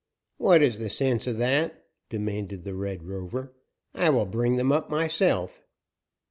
"What is the sense of that?" demanded the Red Rover. "I will bring them up myself."